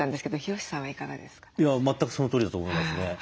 全くそのとおりだと思いますね。